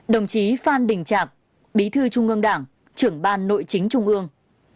hai mươi hai đồng chí phan đình trạc bí thư trung ương đảng trưởng ban nội chính trung ương